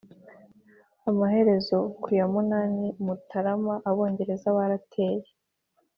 amaherezo, ku ya munani mutarama, abongereza barateye.